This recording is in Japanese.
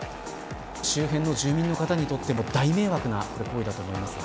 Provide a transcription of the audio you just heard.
周辺の住民の方にとっても大迷惑な行為だと思います。